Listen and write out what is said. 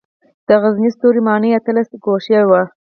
د غزني ستوري ماڼۍ اتلس ګوشې وه